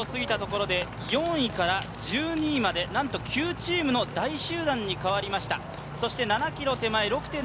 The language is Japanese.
６ｋｍを過ぎたところで４位から１２位までなんと９チームの大集団に変わりました。